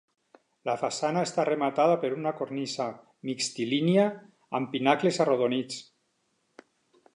La façana està rematada per una cornisa mixtilínia amb pinacles arrodonits.